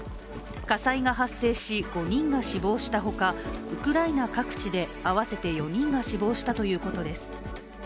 火災が発生し、５人が死亡したほかウクライナ各地で合わせて４人が死亡したということです。